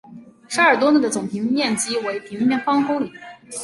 沙尔多讷的总面积为平方公里。